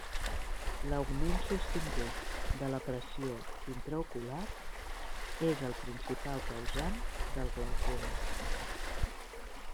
L'augment sostingut de la pressió intraocular és el principal causant del glaucoma.